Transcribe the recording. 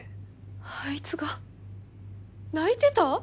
あいつが泣いてた！？